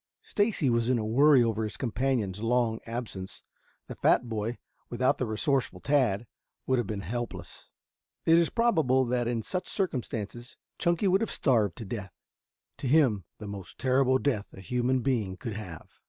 Stacy was in a worry over his companion's long absence. The fat boy, without the resourceful Tad, would have been helpless, and it is probable that in such circumstances Chunky would have starved to death, to him the most terrible death a human being could have.